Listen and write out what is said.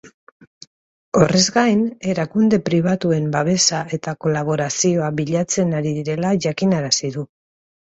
Horrez gain, erakunde pribatuen babesa eta kolaborazioa bilatzen ari direla jakinarazi du.